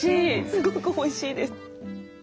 すごくおいしいです。